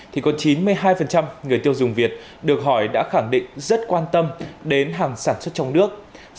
thì có chín mươi hai người tiêu dùng việt được hỏi đã khẳng định rất quan tâm đến hàng sản xuất trong nước